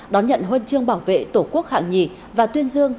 đón nhận huân chương bảo vệ tổ quốc hạng nhì và tuyên dương